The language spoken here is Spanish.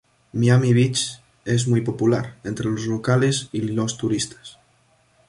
Miami Beach es muy popular entre los locales y los turistas.